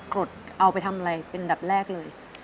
กรดเอาไปทำอะไรเป็นดับแรกเลย